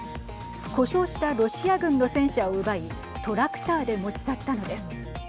故障したロシア軍の戦車を奪いトラクターで持ち去ったのです。